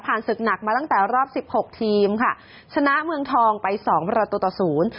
ศึกหนักมาตั้งแต่รอบสิบหกทีมค่ะชนะเมืองทองไปสองประตูต่อศูนย์